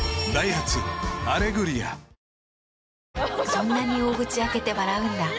そんなに大口開けて笑うんだ。